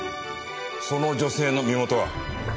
その女性の身元は？